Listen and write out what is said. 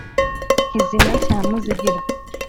kizima cya muzigirwa,